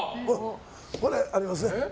これありますね。